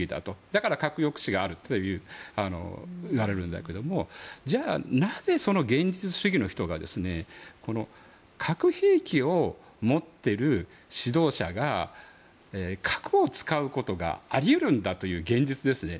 だから核抑止があるといわれるんだけれどもじゃあ、なぜ現実主義の人が核兵器を持っている指導者が核を使うことがあり得るんだという現実ですね。